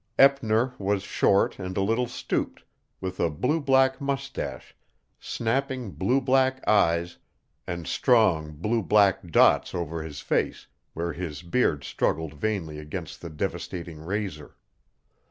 Eppner was short and a little stooped, with a blue black mustache, snapping blue black eyes, and strong blue black dots over his face where his beard struggled vainly against the devastating razor.